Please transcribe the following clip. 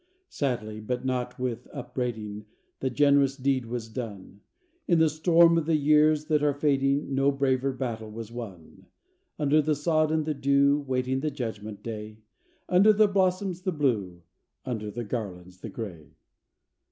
Sadly, but not with upbraiding, The generous deed was done: In the storm of the years that are fading, No braver battle was won Under the sod and the dew, Waiting the judgment day; Under the blossoms, the Blue; Under the garlands, the Gray.